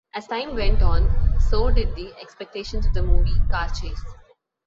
As time went on, so did the expectations of the movie car chase.